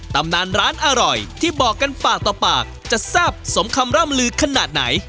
ตำนานร้านอร่อยที่บอกกันปากต่อปากจะแซ่บสมคำร่ำลือขนาดไหน